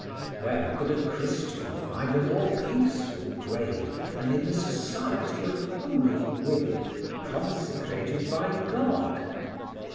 Where could a Christian find a more peaceful grave than in the society of holy women, consecrated by God?